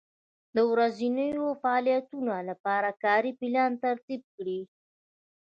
د ورځنیو فعالیتونو لپاره کاري پلان ترتیب کړئ.